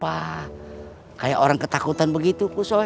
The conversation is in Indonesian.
pak kayak orang ketakutan begitu ku soi